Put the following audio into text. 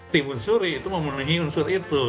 timun suri itu memenuhi unsur itu